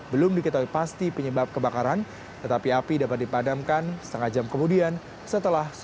belum diketahui pasti penyebab kebakaran tetapi api dapat dipadamkan setengah jam kemudian setelah selesai